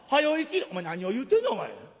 「お前何を言うてんねんお前。